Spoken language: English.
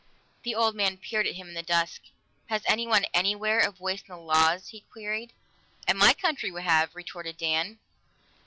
The old man peered at him in the dusk. "Has anyone, anywhere, a voice in the laws?" he queried. "In my country we have," retorted Dan.